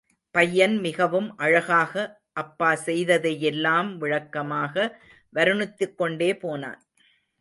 பையன் மிகவும் அழகாக அப்பா செய்ததையெல்லாம் விளக்கமாக வருணித்துக்கொண்டே போனான்.